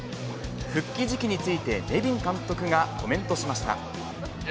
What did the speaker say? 復帰時期について、ネビン監督がコメントしました。